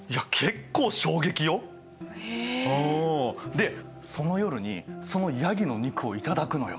でその夜にそのヤギの肉を頂くのよ。